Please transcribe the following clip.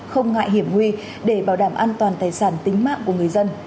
không ngại hiểm nguy để bảo đảm an toàn tài sản tính mạng của người dân